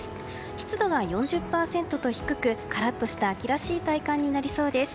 湿度は４０％と低くカラッとした秋らしい体感になりそうです。